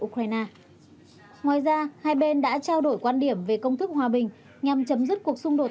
ukraine ngoài ra hai bên đã trao đổi quan điểm về công thức hòa bình nhằm chấm dứt cuộc xung đột